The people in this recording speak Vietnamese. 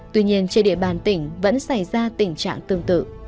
tuy nhiên trên địa bàn tỉnh vẫn xảy ra tình trạng tương tự